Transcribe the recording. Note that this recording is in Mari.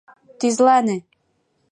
Тӱзлане!